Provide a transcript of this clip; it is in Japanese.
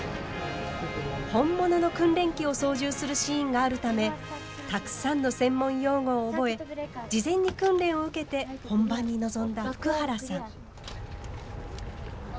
本物の訓練機を操縦するシーンがあるためたくさんの専門用語を覚え事前に訓練を受けて本番に臨んだ福原さん。